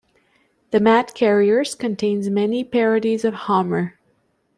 The "Mat-Carriers" contains many parodies of Homer.